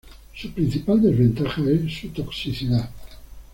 Su principal desventaja es su toxicidad.